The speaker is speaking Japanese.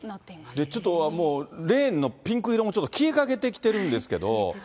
で、ちょっとレーンのピンク色も、ちょっと消えかけてきてるんですけど。